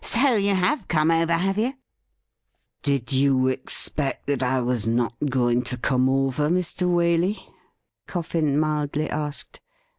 ' So you have come over, have you ?' 'Did you expect that I was not going to come over, Mr. Waley ?'' Coffin mildly asked.